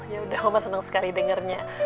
yaudah ma seneng sekali dengernya